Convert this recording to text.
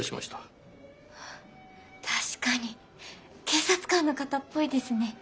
ああ確かに警察官の方っぽいですね。